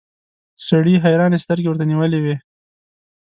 سړي حيرانې سترګې ورته نيولې وې.